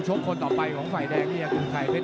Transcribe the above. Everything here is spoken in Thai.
โอ้โหแดงโชว์แล้วโชว์อีกเลยเดี๋ยวดูผู้ดอลก่อน